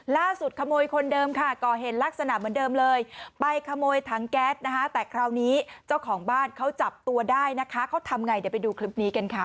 ขโมยคนเดิมค่ะก่อเหตุลักษณะเหมือนเดิมเลยไปขโมยถังแก๊สนะคะแต่คราวนี้เจ้าของบ้านเขาจับตัวได้นะคะเขาทำไงเดี๋ยวไปดูคลิปนี้กันค่ะ